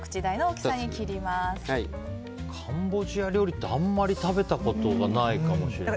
カンボジア料理ってあんまり食べたことがないかもしれない。